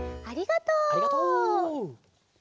ありがとう。